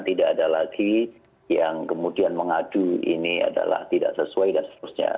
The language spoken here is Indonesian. tidak ada lagi yang kemudian mengadu ini adalah tidak sesuai dan seterusnya